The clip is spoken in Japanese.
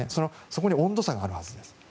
そこに温度差があるはずです。